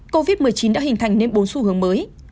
covid một mươi chín đã hình thành nên bốn xu hướng mới